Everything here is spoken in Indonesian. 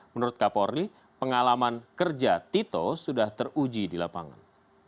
menurut kapolri pengalaman kerja tito sudah teruji di lapangan